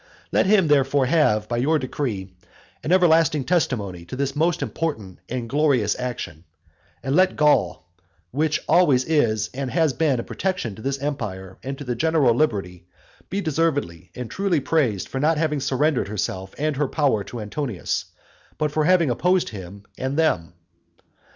Let him therefore have, by your decree, an everlasting testimony to this most important and glorious action, and let Gaul, which always is and has been a protection to this empire and to the general liberty, be deservedly and truly praised for not having surrendered herself and her power to Antonius, but for having opposed him with them.